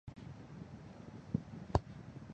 南长翼蝠为蝙蝠科长翼蝠属的动物。